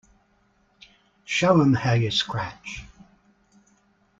Show 'em how you scratch.